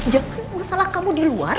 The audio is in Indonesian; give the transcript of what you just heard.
jangan masalah kamu di luar